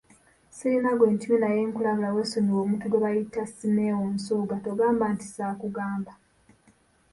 Sirina gwe ntumye naye nkulabula weesonyiwe omuntu gwe bayita Simeo Nsubuga, togamba nti saakugamba.